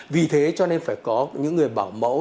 vì thế cho nên phải có những người bảo mẫu